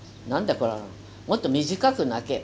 これもっと短く泣け。